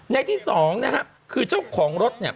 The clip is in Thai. ในที่๒คือเจ้าของรถครับ